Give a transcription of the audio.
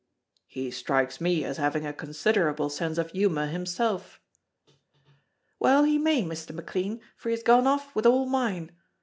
"He strikes me as having a considerable sense of humor himself." "Well he may, Mr. McLean, for he has gone off with all mine.